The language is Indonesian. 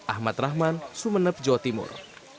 ahmad rahman sumeneb jawa timur